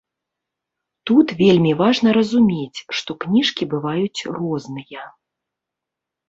Тут вельмі важна разумець, што кніжкі бываюць розныя.